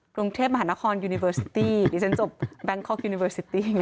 กรุงเทพมหานครยูนิเบอร์ซิตี้ดิฉันจบแบงคอกยูนิเวอร์ซิตี้